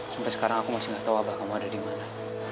sampai sekarang aku masih gak tau abah kamu ada dimana